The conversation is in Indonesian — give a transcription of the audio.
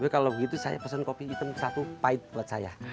kalau begitu saya pesan kopi hitam ke satu pahit buat saya